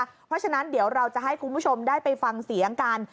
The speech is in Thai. เพราะฉะนั้นเดี๋ยวเราจะให้คุณผู้ชมได้ไปฟังเสียงกัน